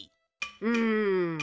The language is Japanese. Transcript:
うん。